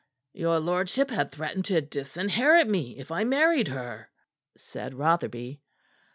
"Your lordship had threatened to disinherit me if I married her," said Rotherby.